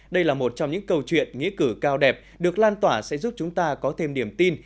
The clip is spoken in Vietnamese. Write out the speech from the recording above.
đây là một trong những câu chuyện nghĩa cử cao đẹp được lan tỏa sẽ giúp chúng ta có thêm điểm tin